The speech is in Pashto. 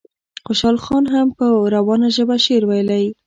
خوشحال خان هم په روانه ژبه شعر ویلی.